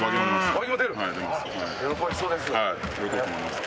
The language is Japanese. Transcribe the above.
喜びそうです？